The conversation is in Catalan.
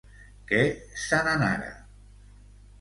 Que se n'anara.